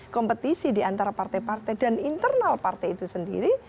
kompetisi diantara partai partai dan internal partai itu sendiri